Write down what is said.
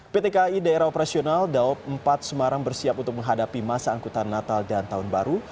pt kai daerah operasional daob empat semarang bersiap untuk menghadapi masa angkutan natal dan tahun baru